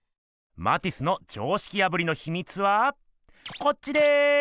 マティスの常識破りのひみつはこっちです。